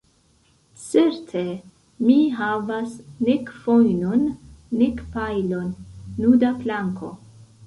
Certe, mi havas nek fojnon, nek pajlon, nuda planko.